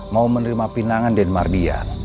mau menerima pinangan denmardian